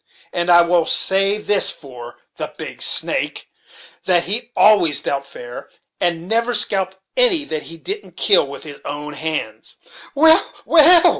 And I will say this for the 'Big Snake,' that he always dealt fair, and never scalped any that he didn't kill with his own hands." "Well, well!"